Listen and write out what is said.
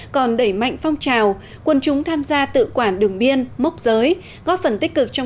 còn đẩy mạnh phong trào quân chúng tham gia tự quản đường biên mốc giới góp phần tích cực trong